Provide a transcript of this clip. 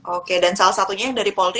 oke dan salah satunya dari polri